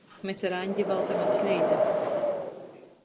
Mes ar Aņdi valkamēs leidza.